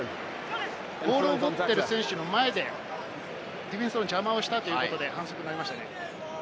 ボールを持ってる選手の前でディフェンスの邪魔をしたということで反則になりましたね。